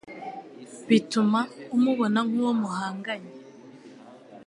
bituma umubona nk'uwo muhanganye,